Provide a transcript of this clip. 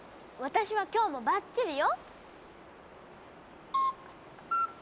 私は今日もバッチリよ。